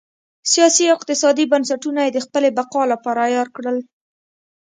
سیاسي او اقتصادي بنسټونه یې د خپلې بقا لپاره عیار کړل.